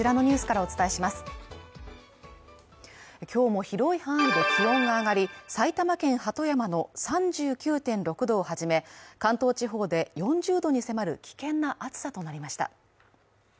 今日も広い範囲で気温が上がり埼玉県鳩山の３９．６度をはじめ、関東地方で４０度に迫る危険な暑さとなりました。